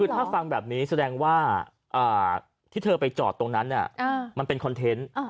คือถ้าฟังแบบนี้แสดงว่าที่เธอไปจอดตรงนั้นมันเป็นคอนเทนต์